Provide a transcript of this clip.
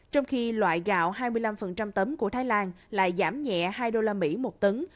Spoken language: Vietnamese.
trong khi loại gạo hai mươi năm tấm của thái lan lại giảm nhẹ hai usd một tấn